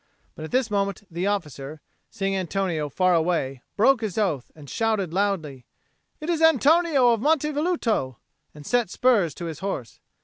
But at this moment the officer, seeing Antonio far away, broke his oath, and shouted loudly, "It is Antonio of Monte Velluto;" and set spurs to his horse.